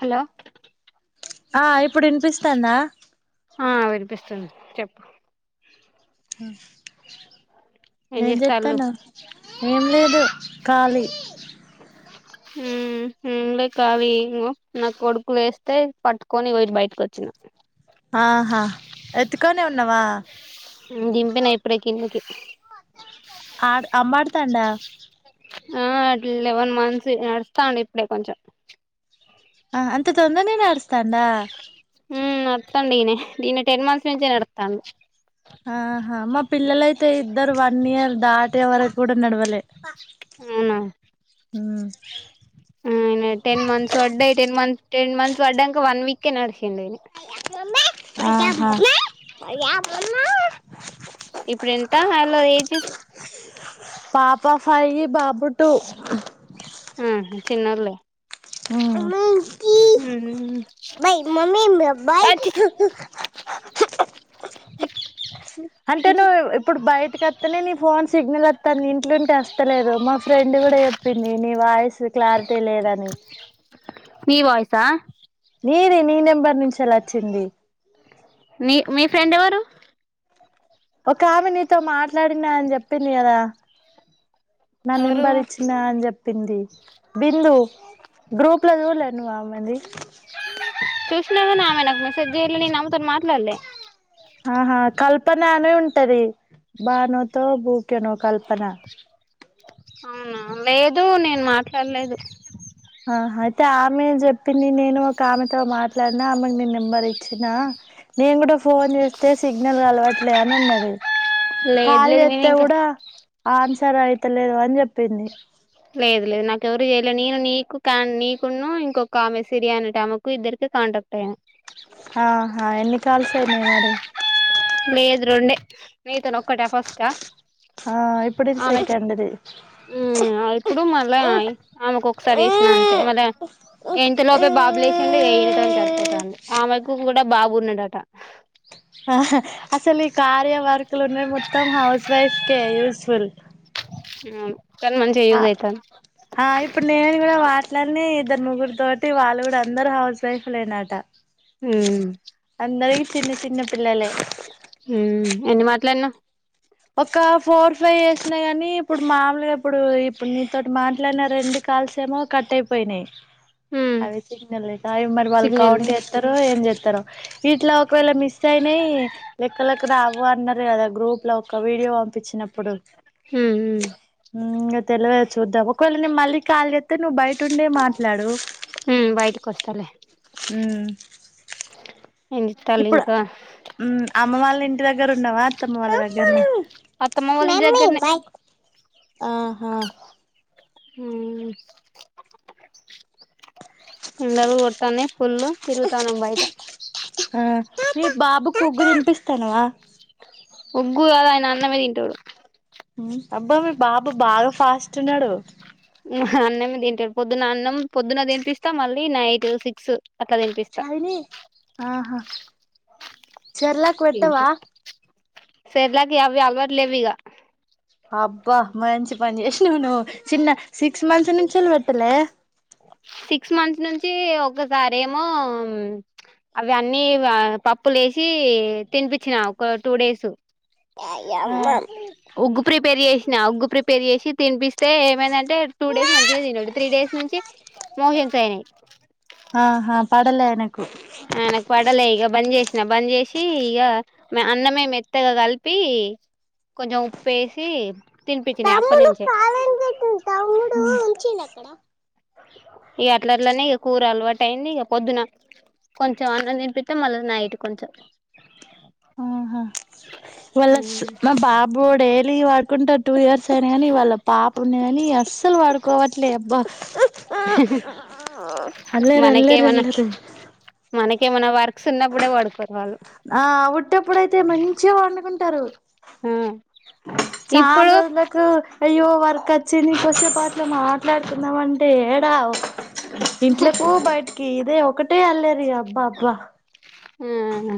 Hello ఆ ఇప్పుడు వినిపిస్తాందా ఆ వినిపిస్తుంది చెప్పు ఆ ఏం నేం చేస్తాళ్ళు చెతాను ఏం లేదు ఖళీ ఉహు కాదు నాకు కొడుకులు వేస్తే పట్టుకొని వటి బయటకు వచ్చిన ఆహా ఎత్తుకనే ఉన్నావా దింపిన ఇప్పుడే కిందికి ఆడ్ అమ్మాడుతాండా ఆ అట్లా లెవెన్ మంత్స్ నడుస్తా అండి ఇప్పుడే కొంచెం ఆ అంత తొందర ననే ఆస్తా తడా నతండి దీన దీన టెన్ మంత్స్ నుంచి నతాండి ఆహా మా పిల్లలైతే ఇద్దరు వన్ ఇయర్ దాటే వరకు కూడా నడవలే ఉమ్ అవునా టెన్ మంత్స్ వడ్డాయి టెన్ మంత్స్ టెన్ మంత్స్ పడ్డాక వన్ వీకే నడిచండడిని మ ఇప్పుడు ఎంత అలో ఏజెస్ ఫై బాబు టటు ఆ చిన్నలే ఊ భై మమీబ్ బాయి అచ్చిచ్చి అంటే నువ్వు ఇప్పుడు బయటకి వస్తానే నీ ఫోన్ సిగ్నల్ వస్తా న ఇంట్లోంటే వస్తలేదు మా ఫ్రెండ్ కూడా చెప్పింది నీ వాయిస్ క్లారిటీ లేదని నీ వయిసా నీది నీ నెంబర్ నుంచిలా వచ్చింది మీ మీ ఫ్రెండ్ ఎవరు ఒక ఆమె నీతో మాట్లాడినా అని చెప్పింది కదా నన్ ఎవరు నింబారు ఇచ్చిన అని చెప్ప పింది బిందు గ్రూప్ ఇప్పుల దూరనువామ్మంది నా మెసజ్లి నన్ అ తర్ మాట్లాడలే ఆహా కల్పన అనే ఉంటది బానోతో బూకెనో కల్పన అవునా లేదు నేను మాట్లాడలేదు అయితే ఆమె ని నేను ఒక ఆమెతో మా అట్లాన్నా ఆమకు నీ నెంబర్ ఇచ్చినా నేను కూడా ఫోన్ చేస్తే సిగ్నల్ అలవట్లే అని అన్నాది లేదు ఖాళ లేదు ఎత్త నేను ఇంకా కూడాఊడా ఆన్సర్ అయితలేదు అని చెప్పింది లేదు లేదు నాకెవరు ఏయలే నేను నీకు నీకున్న ఇంకొక ఆ మెసేరి అనే టమకు ఇద్దరిక కాంటాక్ట్ అయ్యా ఆహా ఎన్ని కాల్సైనయ్ మరీ రొండె నీతొన్ ఒక్కటా ఫస్టా ఆ ఇప్పుడు ఇది ఆమెకి సెకండ్ది మ్ ఇప్పుడు మళ్ళా ఆమెకు ఒక్సారి సిన అంతే మళ్ళా ఇంతలోపే బాబులేసిండు ఈనతోని సరిపోతాంది ఆమెకు డ బాబున్నడట అసలు ఈ కార్య వర్కులు మొత్తం హౌస్ వైఫ్ కె యూస్ఫుల్ ఆ ఆ ఆ ఇప్పుడు నేను కూడా మాట్లాడినయ్ ఇద్దరు ముగ్గురు తోటి వాళ్ళు కూడ్ అందరు హౌస్ వైఫ్ లేనాట మ్ చిన్న చిన్న పిల్లలే హ్మ్ ఎన్ని మాట్లాడిన ఒక ఫోర్ ఫైవ్ యస్నా కానీ ఇప్పుడు మామూలుగా ఇప్పుడు ఇప్పుడు నీతోటి మాట్లాడిన రెండు కాల్స్ ఏమో కట్ అయిపోయినాయి ఉమ్ అవి చిక్న లేకా అయి వాళు సిగ్నల్ లేదు కౌంట్ చెస్తారో ఏం చెస్తార్ ఇట్లా ఒకవేళ మిస్ అయినాయి లెక్కలక్ రావు అన్నారు కదా గ్రూప్ లోక వీడియో పిచినప్పుడు ఉమ్ ఉమ్ ఇంగ తెలివద్ చూద్దాము మళ్ళీ కాళ్ఏతే నువ్వు బయటండే మాట్లాడు ఉమ్ బయటకి వస్తాలే ఏం చెత్తాలు ఇప్పుడు ఇంకా అమ్మ వాళ్ళ దగ్గ ఉన్నావా అత్తమ్మ వాళ్ళ దగ్గర్న అత్తమ్మావాలింటి దగ్గర్నే ఆహా మ్ ఎండలు కొడతాన్నయ్ ఫుల్ తిరుగుతానం బయట ఆ మీ బాబుకు ఉగ్గు తిన్పిస్తానవా ఉగ్గు గాద్ ఆయన అన్నమే తింటడు అబ్బా మీ బాబు బాగ ఫాస్ట్ ఉన్నడు అన్నమే తింటాడ్ పొద్దున అన్నం పొద్దున తినిపిస్తా మళ్ళీ నైట్ సిక్స్ అట్లా తినిపిస్తా చైని ఆహా చెర్లక్ వెట్టవా తింటా సెర్లాకి అవ్వి అలవాట్లేవ్ ఇగ అబ్బా మంచి పన్ చేష్ చిన్న సిక్స్ మంత్స్ నుంచి [unintelligible] పెట్టలే సిక్స్ మంత్స్ నుంచి ఒకసారి ఏమో అవి అన్నీ ఆ పప్పు లేసి తినిపిచ్చినా ఒక టూ డేస్. ఫయ్ ఉగ్గు ప్రిపేర్ చేసినా ఉగ్గు ప్రిప్ పేర్ చేసి తినిపిస్తే ఏమైందంటే టూ డేస్ మంచిగా తిన్నడు, త్రీ డేస్ నుంచి మోషన్స్ అయినాయి. పడలేను ఆ నాకు పడలే ఇగ బంద్ చేసిన బంద్ చేస్ సి ఇగా అన్నమే మెత్తగా కలిపి కొంచెం ఉప్పేసి తినిపిచ్చినా తమ్ముడు అప్పన్నుంచే. కాలని క్కడ ఇగ అట్లట్లనే ఇగ కూర అలవాట్ టైంది ఇక పొద్దున కొంచెం అన్నం తినిపిత్తే, మళ్ళా నైట్ కొంచెం ఇవ్వాళ స్ మా బాబుగూడ డేలీ ఇవ్వాల్ కుంటాడ్ టూ ఇయర్స్ అయినా గానీ వాళ్ళ పాప ఉన్నా గానీ అస్సలు పడుకోవట్లే బ్బా అల్లరి అల్లరి మనకేమన్న అల్లరి మనకేమన్న వర్ సున్నప్పుడే పడుకోద్ ఆ ఉట్టప్పుడుయితే మంచిగా పండుకుంటరు, ఆ చానా ఇప్పుడు రోజులకు అయ్యో వర్క్ వచ్చింది కూసేపట్ల మాట్లాడుకుందాం అన్నాడు అంటే ఏడా ఇంట్లకు బయటికి ఇదే ఒ ఒకటే అల్లేరి అబ్బ బ్బా హ్మ్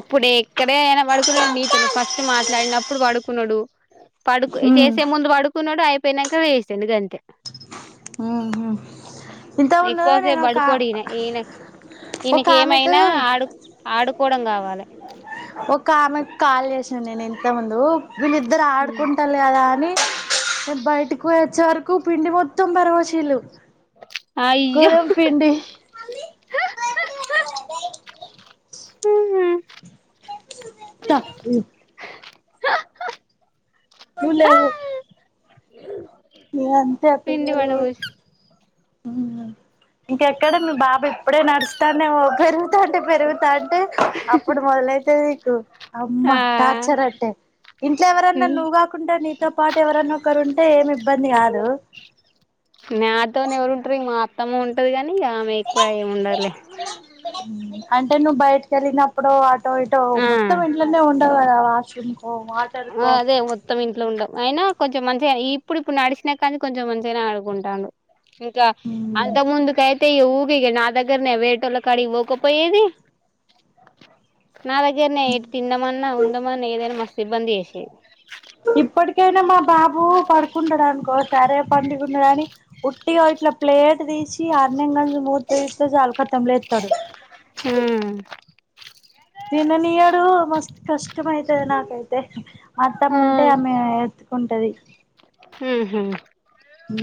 ఇప్పుడే ఇక్కడే అయినా పడుకున్నాడు నీతో నే ఫస్ట్ మాట్లాడినప్పుడు పడుకున్నాడు. పడుకు చేసే ముందు పడుకున్నాడు ఐ పేయినంక లేసిండు గంతే ఊ హ్మ్ ఇంతక ముందు నేను ఎక్కువసేపు ఒక పడుకోడు ఈయన ఈయన ఒక ఈయనకి ఆమెకు ఏమైనా ఆడు ఆడుకోవడం కావాలి ఒక ఆమెక్ కాల్ చేసిన నేను ఇంతక ముందు వీళ్ళిద్దరు ఆడుకుంటళ్ళు కదా అని నేను బయటకి పోయొచ్చే వర్ పిండి మొత్తం పారవోషిళ్లు అయ్యో హా హా హా హ తప్పు ము లేవు న అంతే తిండి వాడ వ మ్ ఇంకెక్కడ మీ బాబు ఇప్పుడే నడుస్టాండేమో పెరుగుతా ఉంటే పెరుగుతా ఉంటే అప్పుడు మొదలైతేది నీకు ఆ అమ్మ టార్చర్ అట్టే ఇంట్లో ఎవరన్నా నువ్వు కాకుండా నీతో పాటు ఎవరన్నా ఒకరు ఉంటే ఏమి ఇబ్బంది కాదు నాతోనే ఎవరుంటారు ఇక మా అత్తము ఉంటది కాని ఇక ఆమె ఎక్కువ ఏమి ఉండలే మ్ అంటే నువ్వు బయటక వెళ్ళినప్పుడు అటో ఇటో ఆ మొత్తం ఇంట్లోనే ఉండవు కదా వాష్రూమ్ కో వాటర్ ఆ కో అదే మొత్తం ఇంట్లో ఉండదు అయినా కొంచెం మంచిగా ఇప్పుడు ఇప్పుడు నడిచినా కానీ కొంచెం మంచిగానే అడుకుంటాన్దు ఇంకా అంత ముందుకైతే ఊగు ఇగ నా దగారనే వేటోలకాడి పోక పోయేది నా దగ్గరనే తిందమన్నా ఉందమన్నా ఏదైనా మస్త సిబ్బందిీసి ఇప్పటికైనా మా బాబు పడుకుంటాడు అనుకో సరే పండుగ ఉండ కాని ఉట్టిగా ఒక ప్లేట్ ప్రదేశి ఆరునంగ మూతే చాల ఖతంలేతడు మ్ దిననియడు మస్త్ కష్టమైతద నాకైతే అట్టం ఉంటే ఆమె ఉంటది ఊహు ఉ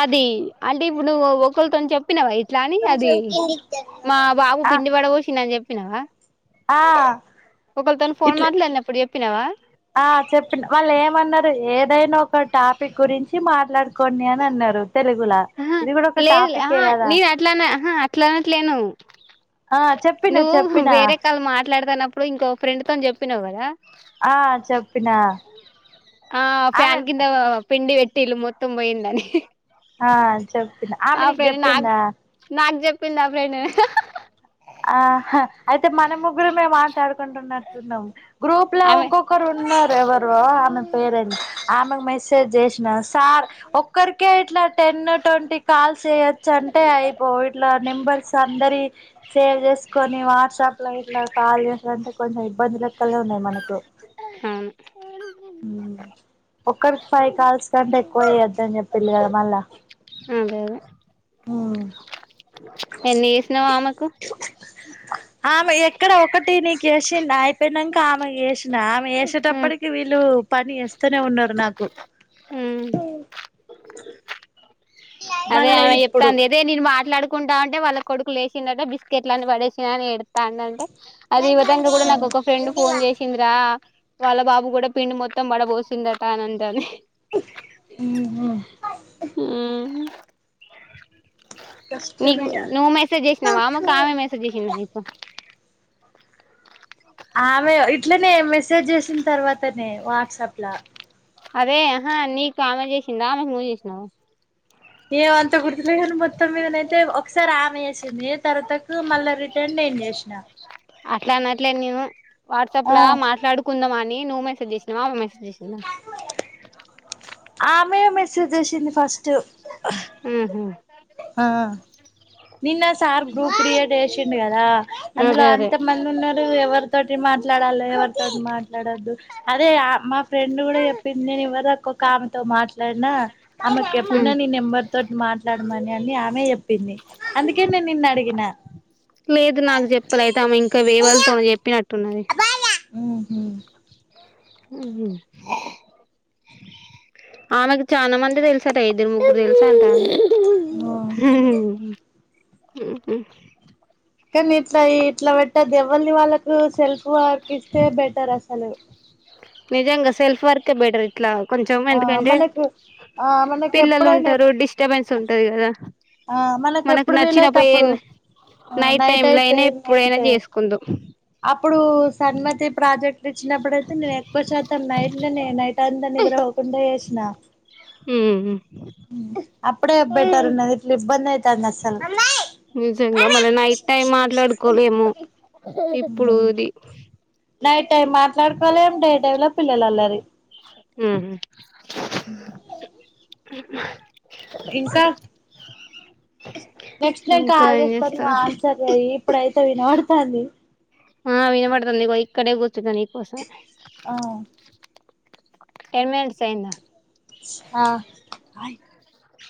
అది అంటే ఇప్పుడు నువ్వు ఒక్క ని చెప్పినా వై ఇట్లాని అది కొంచెం కిందికి మా బాబు ఆ పిండి పడవోచ్చి నని చెప్ప చెప్పినవా ఆ ఒకళ తను ఫోన్ ఇట్లా మాట్లాలేని ఎప్పుడు తినవా ఆ చెప్ప వాళ్ళు ఏమన్నారు ఏదైనా ఒక టాపిక్ గురించి మాట్లాడుకోండి అని అన్నారు తెలుగులా ఆహా ఇది కూడా ఒక లే టాపికే కదా ఆహానేను అట్లానే ఆహా ఎట్లానట్లేను ఆ చెప్పిన నువ్వు చెప్పిన వేరే కాళ్ళ మాట్లాడుతన్నప్పుడు ఇంకో ఫ్రెండ్ తో చెప్పినావు్ కదా ఆ చెప్పిన ఆ ఆమె ఫ్యాన్ కింద పిండి పెట్ పటిలు మొత్తం పోయిందని ఆ చెప్పింది ఆమె నీకు చెప్పిందా పిల్లప్పుడి ఆ అయితే మన ముగ్గురు మేము మాట్లాడుకుంటున్నట్టున్నాము గ్రూప్ లో ఆమె ఒంకొకరు ఉన్నారు ఎవరు ఆమె పేరెంట్స్ ఆమెకు మెసేజ్ చేసి చిలాస్ సార్ ఒక్కరికే ఇట్లా టెన్ ట్వంటీ కాల్స్ చేయొచ్చు అంటే అయిపోవు ఇట్లా నెంబర్స్ అందరి సేవ్ చేసుకొని వాట్సాప్ లో ఇట్లా కాల్ చేసారంటే కొంచెం ఇబ్బంది రలెక్కలు ఉన్నాయి మనకు అవును ఒక్కరికి ఫైవ్ కాల్స్ కంటే ఎక్కువ వయ్యద్ద అని చెప్పిలి కదా మళ్ళా అదే అదే ఆ ఎన్ని చేసినావ ఆమెకు ఆమె ఎక్కడ ఒకటి నీకు వేసిం అయిపోయినాక ఆమె వసి నామ ఉమ్ వేసేటప్పటికి వీళ్ళు పని చేేస్త నే ఉన్నారు నాకు స ఉమ్ అదే ఆమె ఇప్పుడు చెప్తాంది అదే నేను మాట్లాడుకు కుంటా అంట వాళ్ళ కొడుకులు వసినట్ట బిస్కెట్లని పడేసా అని ఎడా అంటే అది విధంగా కూడా నాకు ఒక ఫ్రెండ్ ఫోన్ చేసిందిరా వాళ్ళ బాబు కూడా పిండి మొత్తం పడబోసిందట ఆనందాన్ని ఉ నీకు కష్టమే నువ్వు మెసేజ్ చేసినావు మామకు ఆమె మెసేజ్ చేసినా నీకు ఆమె ఇట్లనే మెసేజ్ చేసిన తర్వాతనే వాట్సాప్ అదేహ నీకు ఆమె చేసింది ఆమెకు మ చేసినావు ఎం అంత గుర్తులే కాని మొత్తం మీదనైతే ఒకసారి ఆమె వేసింది తర్వాతకు మళ్ళా రిటర్న్ అయింది చేసిన అట్లా అన్నట్లే నీవు వాట్సాప్ లా మాట్లాడుకుందాం అని నువ్ మెసజ్ చేసవ అమే మెసజ్ చేసినా ఆమె మెసేజ్ వసింది ఫస్ట్ ఆహ ఆ నిన్న సార్ గ్రూప్ క్రియేట్ చేసిండు కదా అందులో అదే అదే అంతమంది ఉన్నారు ఎవరు తోటి మాట్లాడాలి ఎవరితోటి మా మాట్లాడద్దు అదే మా ఫ్రెండ్ కూడా చెప్పింది నేను ఎవరు ఒక్కొక్క ఆమెతో మాట్లాడినా ఆమెకు ఉమ్ ఎప్పుిన నీ నెంబర్ తో మాట్లాడమని అని ఆమె పిన్ని లేదు నాకు చెప్పలే తము ఇంక ఎవల్ తోనో చెప్పినట్టు పోయ్ంది ఉహు ఆమెకు చాలా మంది తెలుసట్ట ఇద్దరు ముగ్గురు తెలుసట. [inaudible] ఉహూ కానీ ఇట్ల ఇట్లా వెట్ట ఎవల్ది వాళ్ళక్ సెల్ఫ్ వర్క్ ఇస్తే బెటర్ అస హలో నిజంగా సెల్ఫ్ వర్కే బెటర్ ఇట్లా కొంచం ఆ ఎందుకంటే మనకు ఆ మనకు పిల్లలు ఎప్పుడైనా ఉంటరు డిస్టబెన్స్ ఉంటది కదా ఆ మనకి మనకు ఎప్పుడు వీలైతే నచ్చినప్పుడు అప్పుడు ఏ ఉ నైట్ టైమ్ లో అయితే అయినా ఎప్పుడైనా నైట్ చేసుకుందాం అప్పుడు సన్మతి ప్రాజెక్ట్ ఇచ్చిన్నప్పుడైతే నేను ఎక్కువ శాతం నైట్లనే నైట్ అంతా నిద్ర పోకుండా చేసిన హ్మ్ అప్పుడే బెటర్ ఉన్నది ఇట్ల ఇబ్బందయి నిజంగా మళ్ళీ నైట్ టైం మాట్లాడుకోలేము. ఇప్పుడుది నైట్ టైం మాట్లాడుకోలేమ్ డే టైమ్ ల పిల్లలల్లరి. ఉహూ [inaudible] ఇంకా నెక్స్ట్ నేను ఇంకా కాల్ ఏం చేస్తా చేస్తావ్ నువ్వాన్సర్ చెయ్యి ఇప్పుడైతే వినబడుతాంది ఆ వినబడుతాంది ఇగో ఇక్కడే కూర్చున్న నీ కోసం ఆ ఎమడు సైంద ఆ